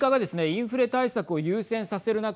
インフレ対策を優先させる中